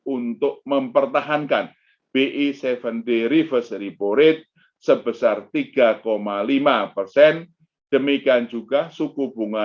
untuk mempertahankan by tujuh di reverse report sebesar tiga lima persen demikian juga suku bunga